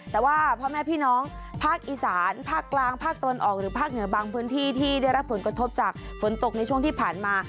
แต่ว่าพ่อแม่พี่น้องภาคอีสานภาคกลางภาคตะวันออกหรือภาคเหนือบางพื้นที่ที่ได้รับผลกระทบจากฝนตกในช่วงที่ผ่านมา